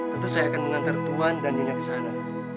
tentu saya akan mengantar tuan dan nyonya ke sana